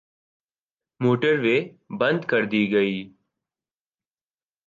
Motorway بند کردی گئی۔